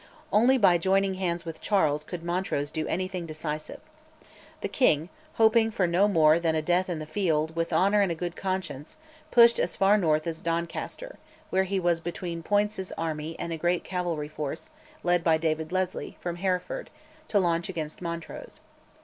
Only by joining hands with Charles could Montrose do anything decisive. The king, hoping for no more than a death in the field "with honour and a good conscience," pushed as far north as Doncaster, where he was between Poyntz's army and a great cavalry force, led by David Leslie, from Hereford, to launch against Montrose.